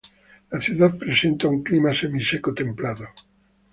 La ciudad presenta un clima semiseco templado.